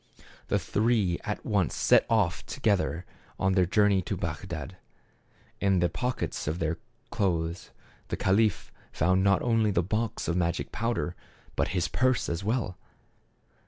The three at once set off together on their journey to Bagdad. In the pockets of his clothes the caliph found not only the box of magic pow der, but his purse as well.